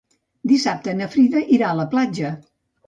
Dissabte na Frida irà a la platja.